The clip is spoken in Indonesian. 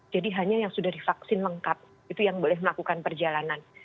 jadi hanya yang sudah divaksin lengkap itu yang boleh melakukan perjalanan